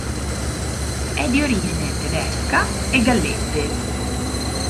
È di origine tedesca e gallese.